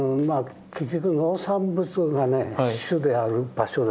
結局農産物がね主である場所ですし。